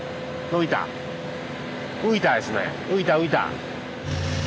浮いた浮いた。